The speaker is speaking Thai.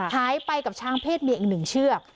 หายไปกับช้างเพศมีอีกหนึ่งเชือก